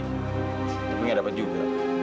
tapi gak dapet juga